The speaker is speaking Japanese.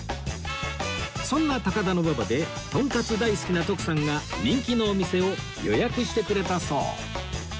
そんな高田馬場でとんかつ大好きな徳さんが人気のお店を予約してくれたそう